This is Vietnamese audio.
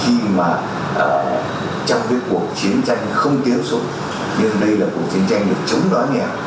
khi mà trong cuộc chiến tranh không tiến xuống nhưng đây là cuộc chiến tranh được chống đoán nhẹ